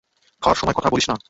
খাওয়ার সময় কথা বলিস না।